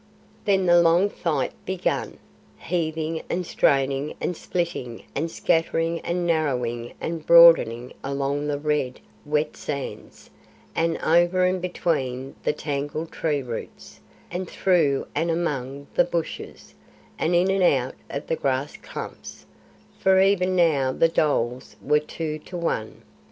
Then the long fight began, heaving and straining and splitting and scattering and narrowing and broadening along the red, wet sands, and over and between the tangled tree roots, and through and among the bushes, and in and out of the grass clumps; for even now the dholes were two to one.